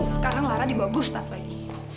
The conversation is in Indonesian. sekarang lara dibawa gustaf lagi